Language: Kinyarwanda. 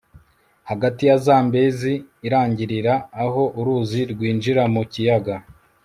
hagati ya zambezi irangirira aho uruzi rwinjira mu kiyaga